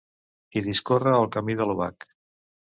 Hi discorre el Camí de l'Obac.